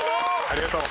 ありがとう。